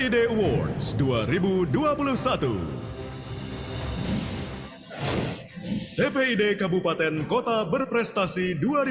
dpi dekabupaten kota berprestasi dua ribu dua puluh satu